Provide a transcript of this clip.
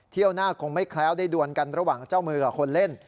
หน้าคงไม่แคล้วได้ดวนกันระหว่างเจ้ามือกับคนเล่น